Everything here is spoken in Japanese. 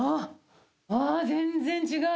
全然違う。